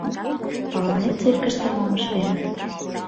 — Палынет, циркыште мом ыштем?